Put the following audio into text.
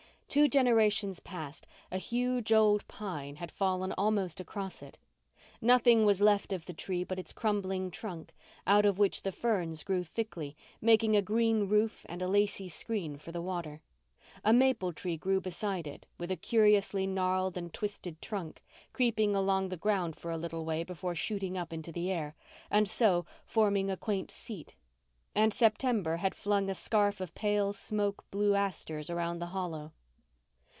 Two generations past a huge old pine had fallen almost across it. Nothing was left of the tree but its crumbling trunk out of which the ferns grew thickly, making a green roof and a lacy screen for the water. A maple tree grew beside it with a curiously gnarled and twisted trunk, creeping along the ground for a little way before shooting up into the air, and so forming a quaint seat; and September had flung a scarf of pale smoke blue asters around the hollow.